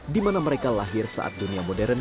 di mana mereka lahir saat dunia modern